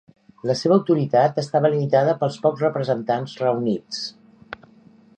La seva autoritat estava limitada pels pocs representants reunits.